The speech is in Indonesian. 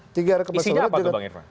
isinya apa tuh bang irfan